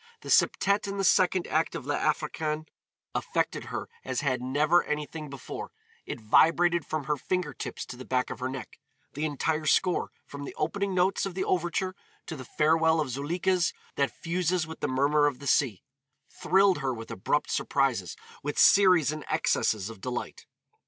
The septette in the second act of "L'Africaine" affected her as had never anything before; it vibrated from her fingertips to the back of her neck; the entire score, from the opening notes of the overture to the farewell of Zuleika's that fuses with the murmur of the sea, thrilled her with abrupt surprises, with series and excesses of delight.